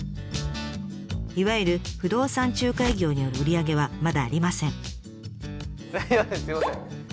いわゆる不動産仲介業による売り上げはまだありません。